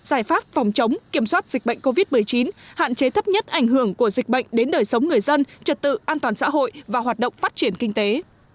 giải pháp phòng chống kiểm soát dịch bệnh covid một mươi chín hạn chế thấp nhất ảnh hưởng của dịch bệnh đến đời sống người dân trật tự an toàn xã hội và hoạt động phát triển kinh tế